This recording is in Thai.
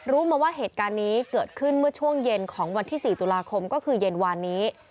รู้มาว่าเหตุการณ์นี้เกิดขึ้นเมื่อช่วงเย็นของวันที่๔ตุลาคมก็คือเย็นวานนี้